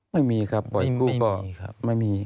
ไม่มีครับปล่อยกู้ไม่มี